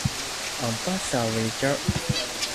我細妹住喺西營盤藝里坊